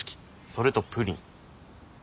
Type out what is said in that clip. それとプリン。